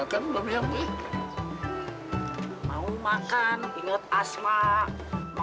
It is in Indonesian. jadi kami perlu meraih seara bagaimana puaskan